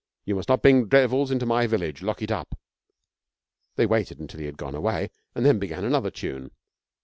You must not bring devils into my village. Lock it up.' They waited until he had gone away and then began another tune.